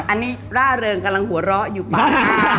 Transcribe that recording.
อันนี้ร่าเริงกำลังหัวเราะอยู่ปาก